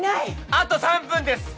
あと３分です。